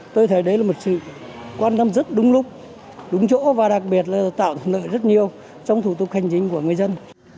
tôi thấy đấy là một sự quan tâm rất đúng lúc đúng chỗ và đặc biệt là tạo thuận lợi rất nhiều trong thủ tục hành chính của người dân